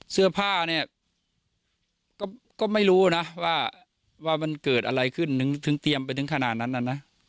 เสื้อผ้าเนี่ยก็ไม่รู้นะว่ามันเกิดอะไรขึ้นถึงเตรียมไปถึงขนาดนั้นนะ